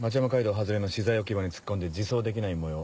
外れの資材置き場に突っ込んで自走できないもよう。